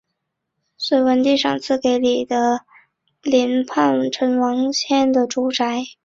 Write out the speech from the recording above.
隋文帝赏赐给李德林叛臣王谦的住宅。